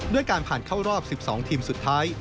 การผ่านเข้ารอบ๑๒ทีมสุดท้าย